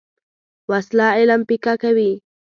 وسله علم پیکه کوي